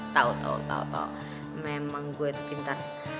tau tau tau memang gue itu pintar